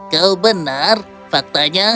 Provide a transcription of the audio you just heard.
kau benar faktanya